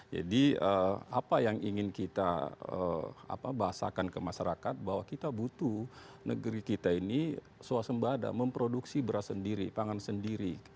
jadi apa yang ingin kita bahasakan ke masyarakat bahwa kita butuh negeri kita ini swasembada memproduksi beras sendiri pangan sendiri